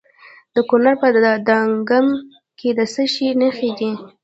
د کونړ په دانګام کې د څه شي نښې دي؟